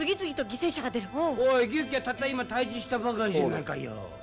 「おい牛鬼はたった今退治したばかりじゃないかよ」